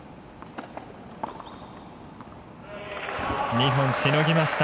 ２本しのぎました。